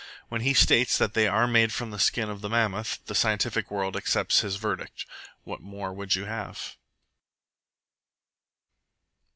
When he states that they are made from the skin of the mammoth, the scientific world accepts his verdict. What more would you have?